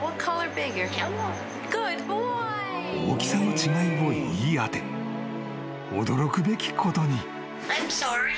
［大きさの違いを言い当て驚くべきことに］